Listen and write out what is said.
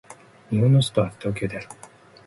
日本の首都は東京である